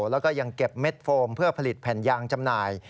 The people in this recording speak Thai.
แล้วก็ยังเก็บเม็ดโฟมเพื่อผลิตแผ่นยางจำหน่าย